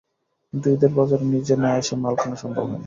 কিন্তু ঈদের বাজারে নিজে না এসে মাল কেনা সম্ভব হয় না।